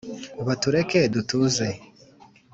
batureke dutuze